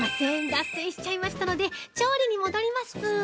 脱線しちゃいましたので調理に戻ります。